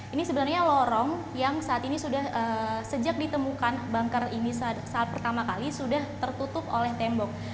ini sebenarnya lorong yang sejak ditemukan bunker ini saat pertama kali sudah tertutup oleh tembok